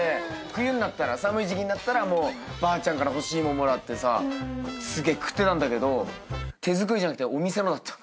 冬になったら寒い時季になったらばあちゃんから干し芋もらってさすげえ食ってたんだけど手作りじゃなくてお店のだった。